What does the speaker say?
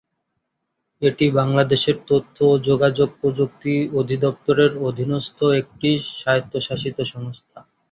এটি বাংলাদেশের তথ্য ও যোগাযোগ প্রযুক্তি অধিদপ্তরের অধীনস্থ একটি স্বায়ত্বশাসিত সংস্থা।